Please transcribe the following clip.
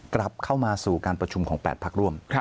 กลับเข้ามาสู่การประชุมของ๘พักร่วม